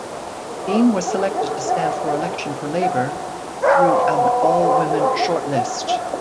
Dean was selected to stand for election for Labour through an all-women shortlist.